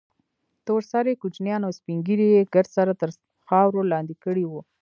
تور سرې کوچنيان او سپين ږيري يې ګرد سره تر خارور لاندې کړي وو.